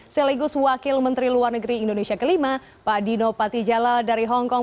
selegus wakil menteri luar negeri indonesia kelima pak dino patijala dari hongkong